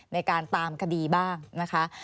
ในการตามคดีบ้างนะคะ